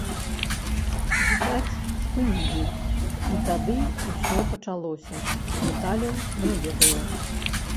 Відаць, спынілі і тады ўсё пачалося, дэталяў не ведаю.